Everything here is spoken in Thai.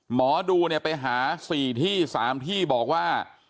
หมอดูเนี่ยไปหา๔ที่๓ที่บอกว่า